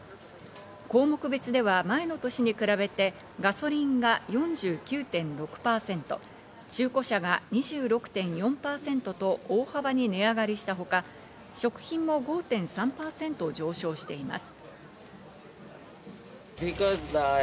項目別では前の年に比べてガソリンが４９．６％、中古車が２６．４％と大幅に値上がりしたほか、食品も５．３％上昇しています。